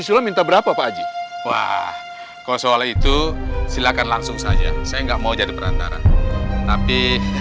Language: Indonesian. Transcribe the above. isu minta berapa pak aji wah kau soal itu silakan langsung saja saya nggak mau jadi perantara tapi